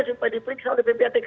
supaya diperiksa oleh ppatk